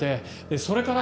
それから。